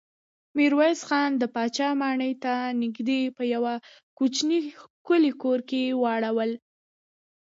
ميرويس خان د پاچا ماڼۍ ته نږدې په يوه کوچيني ښکلي کور کې واړول.